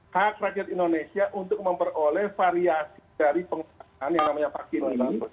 hak rakyat indonesia untuk memperoleh variasi dari penggunaan yang namanya vaksin ini